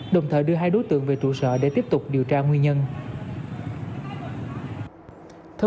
đồng thời đưa hai đối tượng về trụ sở để tiếp tục điều tra nguyên nhân